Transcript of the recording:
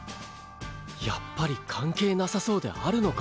やっぱり関係なさそうであるのか！